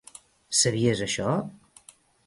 Sabies això?